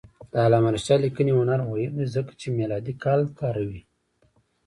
د علامه رشاد لیکنی هنر مهم دی ځکه چې میلادي کال کاروي.